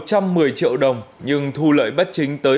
cho vay một trăm một mươi triệu đồng nhưng thu lợi bất chính tới